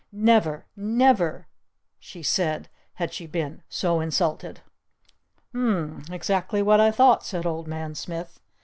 "Never Never," she said had she been "so insulted!" "U m m m exactly what I thought," said Old Man Smith.